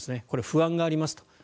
これは不安がありますと。